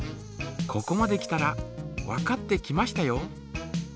ここまで来たらわかってきましたよ。